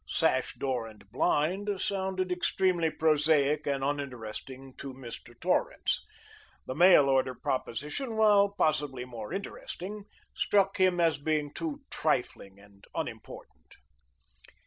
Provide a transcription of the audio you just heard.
Sash, door and blind sounded extremely prosaic and uninteresting to Mr. Torrance. The mail order proposition, while possibly more interesting, struck him as being too trifling and unimportant.